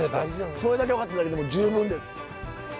それだけ分かっただけでも十分です。